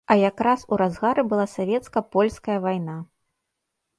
А якраз у разгары была савецка-польская вайна.